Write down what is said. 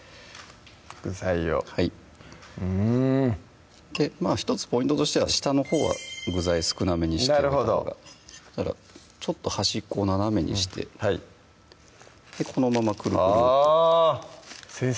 具材をはい１つポイントとしては下のほうは具材少なめにしといたほうがちょっと端っこを斜めにしてはいこのままクルクルあぁ先生